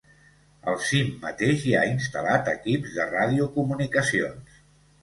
Al cim mateix hi ha instal·lat equips de radiocomunicacions.